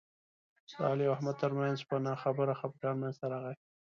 د علي او احمد ترمنځ په نه خبره خپګان منځ ته راغی.